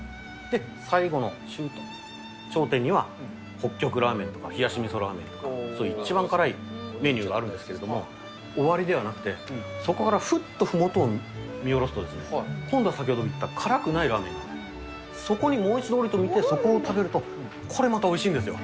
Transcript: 最後の頂点には北極ラーメンとか、冷し味噌ラーメンとか、そういう一番辛いメニューがあるんですけども、終わりではなくて、そこからふっとふもとを見下ろすと、今度は先ほど言った辛くないラーメンに、そこにもう一度下りてみて、そこを食べると、これまたおいしいんですよ。